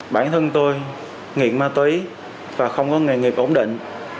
bản thân tôi nghiện ma túy và không có nghề nghiệp ổn định